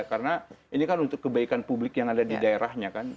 karena ini kan untuk kebaikan publik yang ada di daerahnya